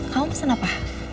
kamu pesen apa